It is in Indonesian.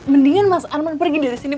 mendingan mas arman pergi dari sini